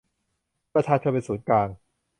ประชาชนเป็นศูนย์กลาง